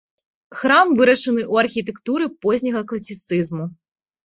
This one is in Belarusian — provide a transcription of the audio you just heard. Храм вырашаны ў архітэктуры позняга класіцызму.